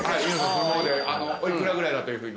お幾らぐらいだというふうに？